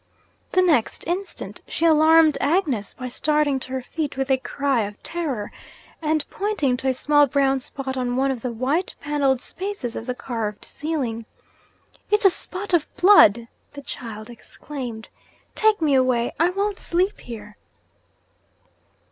The next instant she alarmed Agnes, by starting to her feet with a cry of terror, and pointing to a small brown spot on one of the white panelled spaces of the carved ceiling. 'It's a spot of blood!' the child exclaimed. 'Take me away! I won't sleep here!'